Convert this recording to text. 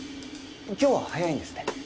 今日は早いんですね。